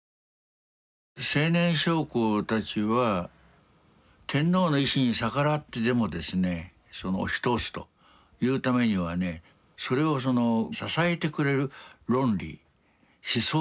青年将校たちは天皇の意志に逆らってでもですね押し通すというためにはねそれを支えてくれる論理思想が欲しいわけです。